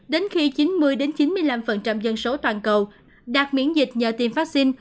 đến khi chín mươi chín mươi năm dân số toàn cầu đạt miễn dịch nhờ tiêm vaccine